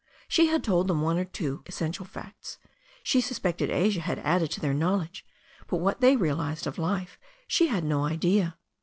She had told them one or two essential facts. She suspected Asia had added to their knowledge, but what they realized of life she had no idea.